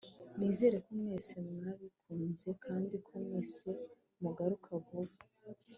Nizere ko mwese mwabikunze kandi ko mwese mugaruka vuba